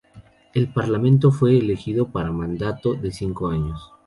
El parlamento fue elegido para un mandato de cinco años.